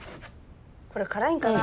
これ辛いんかな？